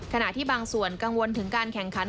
ขณะที่บางส่วนกังวลถึงการแข่งขัน